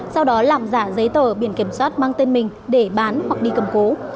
sau đó làm giả giấy tờ biển kiểm soát mang tên mình để bán hoặc đi cầm cố